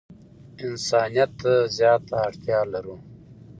انسانیت ته زیاته اړتیا لرو.